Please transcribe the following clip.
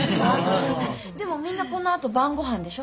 でもみんなこのあと晩ごはんでしょ？